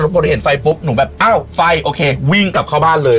พอเห็นไฟปุ๊บหนูแบบอ้าวไฟโอเควิ่งกลับเข้าบ้านเลย